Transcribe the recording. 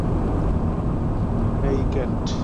হেই, cat!